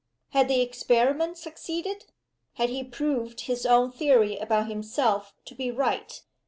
Had the experiment succeeded? Had he proved his own theory about himself to be right?